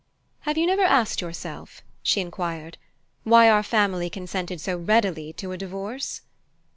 "Have you never asked yourself," she enquired, "why our family consented so readily to a divorce?"